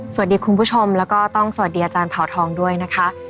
คุณผู้ชมแล้วก็ต้องสวัสดีอาจารย์เผาทองด้วยนะคะ